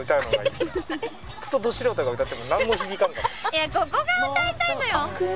いやここが歌いたいのよ。